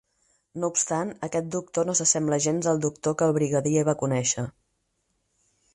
No obstant, aquest Doctor no s'assembla gens al Doctor que el Brigadier va conèixer.